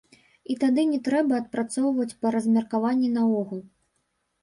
І тады не трэба адпрацоўваць па размеркаванні наогул!